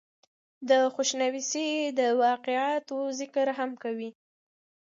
دَخوشنويسۍ دَواقعاتو ذکر هم کوي ۔